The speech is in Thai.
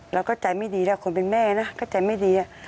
เราก็ใจไม่ดีแล้วคนเป็นแม่นะก็ใจไม่ดี